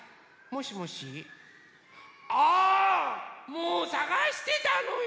もうさがしてたのよ。